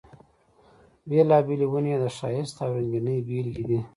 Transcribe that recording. بېلابېلې ونې یې د ښایست او رنګینۍ بېلګې دي.